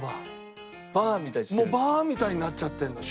もうバーみたいになっちゃってるの。